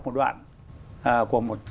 một đoạn của một